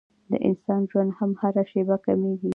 د انسان ژوند هم هره شېبه کمېږي.